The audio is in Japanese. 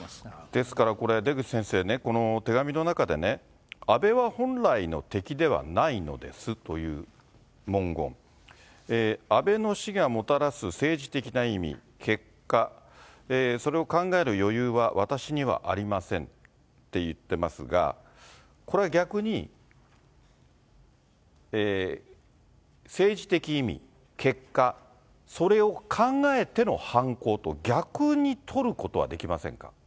ですからこれ、出口先生ね、この手紙の中でね、安倍は本来の敵ではないのですという文言、安倍の死がもたらす政治的な意味、結果、それを考える余裕は私にはありませんと言ってますが、これは逆に、政治的意味、結果、それを考えての犯行と逆に取ることはできませんか。